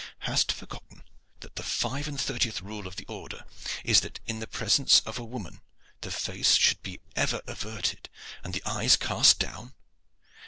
Hast forgotten that the five and thirtieth rule of the order is that in the presence of a woman the face should be ever averted and the eyes cast down?